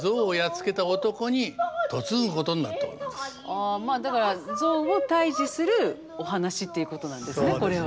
あまあだから象を退治するお話っていうことなんですねこれは。